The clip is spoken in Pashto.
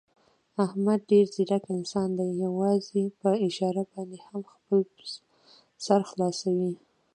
احمد ډېر ځیرک انسان دی، یووازې په اشاره باندې هم خپل سر خلاصوي.